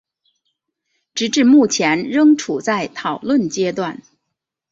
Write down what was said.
直至目前仍处在讨论阶段。